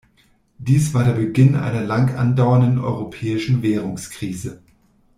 Dies war der Beginn einer langandauernden europäischen Währungskrise.